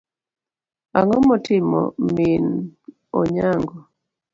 Ang'o motimo mim Onyango.